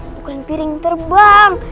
bukan piring terbang